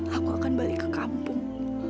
aku akan balik ke kampung